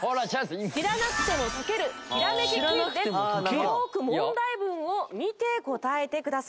よく問題文を見て答えてください。